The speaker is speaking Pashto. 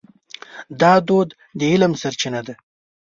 دا دود د علم سرچینه ده.